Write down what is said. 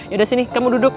yaudah sini kamu duduk